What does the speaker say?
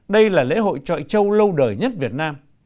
đây là lễ hội trọi châu lâu đời nhất việt nam